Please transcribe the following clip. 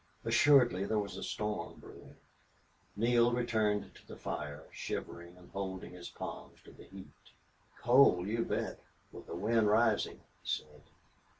Assuredly there was a storm brewing. Neale returned to the fire, shivering and holding his palms to the heat. "Cold, you bet, with the wind rising," he said.